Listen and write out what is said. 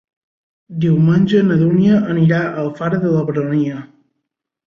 Diumenge na Dúnia anirà a Alfara de la Baronia.